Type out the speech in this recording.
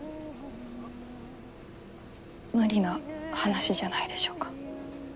無理な話じゃないでしょうか。